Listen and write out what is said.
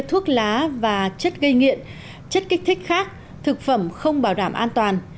thuốc lá và chất gây nghiện chất kích thích khác thực phẩm không bảo đảm an toàn